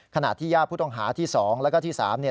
ขณะที่ย่าผู้ต้องหาที่๒และที่๓